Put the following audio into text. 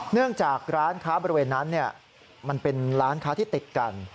เนื่องจากร้านค้าบริเวณนั้นมันเป็นร้านค้าที่ติดกัน